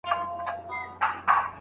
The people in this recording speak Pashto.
اخره زمانه سوه د چرګانو یارانه سوه.